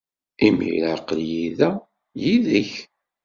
Imir-a, aql-iyi da, yid-k.